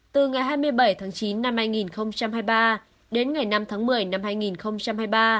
từ ngày hai mươi bảy tháng chín năm hai nghìn hai mươi ba đến ngày năm tháng một mươi năm hai nghìn hai mươi ba